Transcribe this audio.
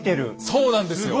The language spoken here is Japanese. そうなんですよ。